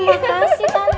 terima kasih tante